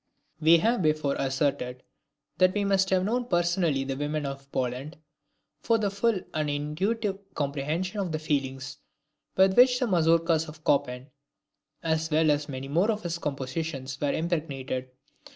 We have before asserted that we must have known personally the women of Poland, for the full and intuitive comprehension of the feelings with which the Mazourkas of Chopin, as well as many more of his compositions, are impregnated.